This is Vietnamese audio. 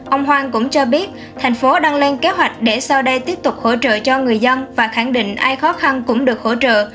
ông hoàng cũng cho biết thành phố đang lên kế hoạch để sau đây tiếp tục hỗ trợ cho người dân và khẳng định ai khó khăn cũng được hỗ trợ